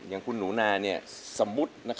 ร้องได้ให้ร้อง